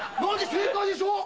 正解でしょ？